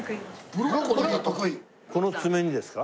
この爪にですか？